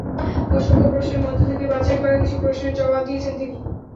অসংখ্য প্রশ্নের মধ্য থেকে বাছাই করা কিছু প্রশ্নের জবাব দিয়েছেন তিনি।